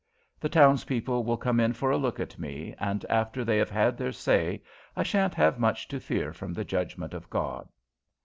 The townspeople will come in for a look at me; and after they have had their say, I shan't have much to fear from the judgment of God!"